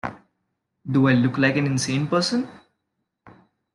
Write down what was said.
Do I look like an insane person?